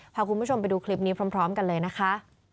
พาคุณผู้ชมไปดูคลิปนี้พร้อมกันเลยนะคะ